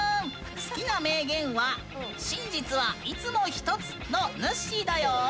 好きな名言は「真実はいつも一つ」のぬっしーだよ！